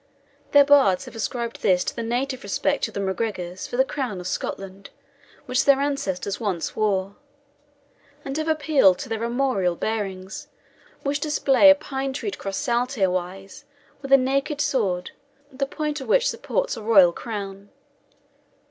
Their bards have ascribed this to the native respect of the MacGregors for the crown of Scotland, which their ancestors once wore, and have appealed to their armorial bearings, which display a pine tree crossed saltire wise with a naked sword, the point of which supports a royal crown.